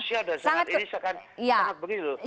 oh sangat krusial dan sangat ini sangat begitu